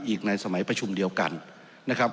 อีกในสมัยประชุมเดียวกันนะครับ